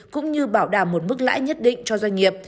cũng như bảo đảm một mức lãi nhất định cho doanh nghiệp